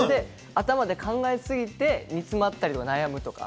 頭で考えすぎて煮詰まったりとか、悩むとか。